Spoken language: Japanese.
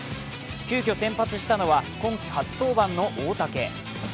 急きょ先発したのは今季初登板の大竹。